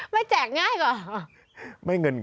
ไม่แจกง่ายกว่า